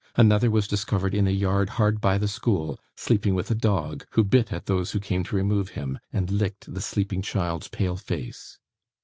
Another was discovered in a yard hard by the school, sleeping with a dog, who bit at those who came to remove him, and licked the sleeping child's pale face.